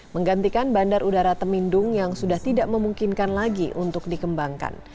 menggantikan bandar udara temindung yang sudah tidak memungkinkan lagi untuk dikembangkan